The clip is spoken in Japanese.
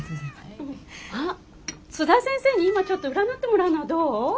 あっ津田先生に今ちょっと占ってもらうのはどう？